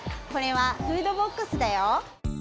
これは「フードボックス」だよ！